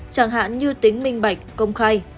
chẳng hạn như tính minh bạch công khai